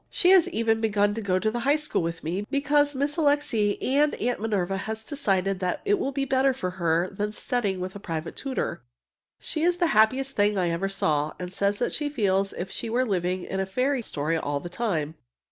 She has even begun to go to the high school with me, because Miss Alixe and Aunt Minerva have decided that it will be better for her than studying with a private tutor. She is the happiest thing I ever saw, and says she feels as if she were living in a fairy story all the time!